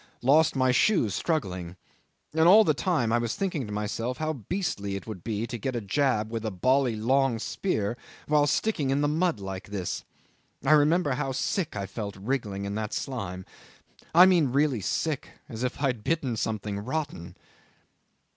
Lost my shoes struggling. And all the time I was thinking to myself how beastly it would be to get a jab with a bally long spear while sticking in the mud like this. I remember how sick I felt wriggling in that slime. I mean really sick as if I had bitten something rotten."